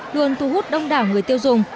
luôn thu hút đông đảo người tiêu dùng